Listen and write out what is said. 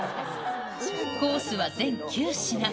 コースは全９品。